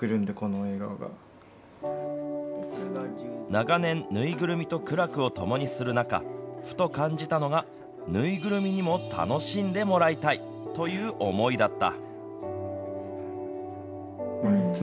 長年、縫いぐるみと苦楽を共にする中ふと感じたのが縫いぐるみにも楽しんでもらいたいという思いだった。